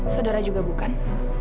saudara juga bukan